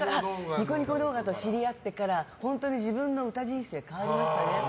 ニコニコ動画と知り合ってから本当に自分の歌人生変わりましたね。